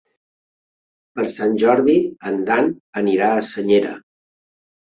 Per Sant Jordi en Dan anirà a Senyera.